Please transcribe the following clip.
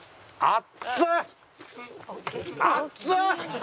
熱っ！